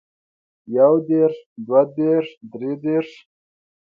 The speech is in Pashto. يو دېرش دوه دېرش درې دېرش